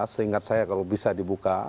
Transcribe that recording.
seingat saya kalau bisa dibuka